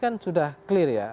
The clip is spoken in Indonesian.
karena sudah clear ya